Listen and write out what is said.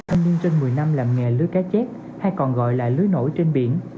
anh nguyễn trinh một mươi năm làm nghề lưới cá chét hay còn gọi là lưới nổi trên biển